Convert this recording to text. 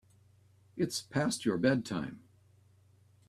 It's past your bedtime.